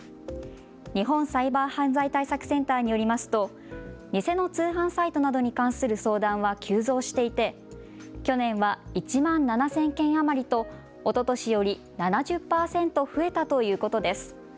日本サイバー犯罪対策センターによりますと偽の通販サイトなどに関する相談は急増していて去年は１万７０００件余りとおととしより７０％増えたということです。